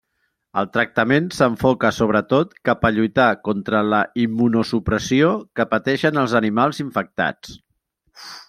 El tractament s'enfoca sobretot cap a lluitar contra la immunosupressió que pateixen els animals infectats.